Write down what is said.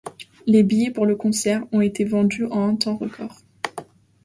Les billets pour le concert ont été vendus en un temps record.